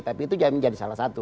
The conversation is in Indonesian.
tapi itu menjadi salah satu